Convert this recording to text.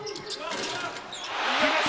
決めた！